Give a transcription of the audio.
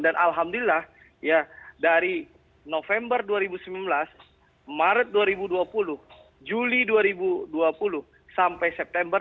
dan alhamdulillah dari november dua ribu sembilan belas maret dua ribu dua puluh juli dua ribu dua puluh sampai september